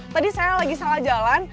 tadi saya lagi salah jalan